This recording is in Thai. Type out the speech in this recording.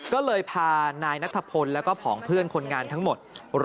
ก็เลยพานายนัทพลแล้วก็ผองเพื่อนคนงานทั้งหมด